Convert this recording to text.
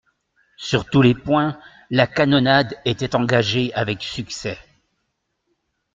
Sur tous les points, la canonnade était engagée avec succès.